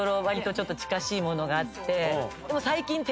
わりとちょっと近しいものがあってでも最近。